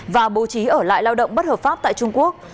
và bố trí ở lại lao động bất hợp pháp tại trung quốc